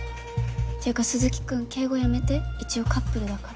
っていうか鈴木君敬語やめて一応カップルだから。